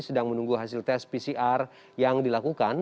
sedang menunggu hasil tes pcr yang dilakukan